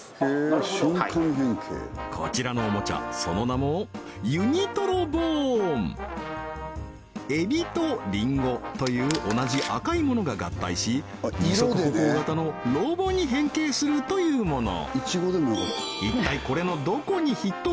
なるほどこちらのおもちゃその名もエビとリンゴという同じ赤いものが合体し二足歩行型のロボに変形するというもの